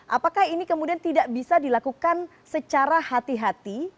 apakah ini kemudian tidak bisa dilakukan secara hati hati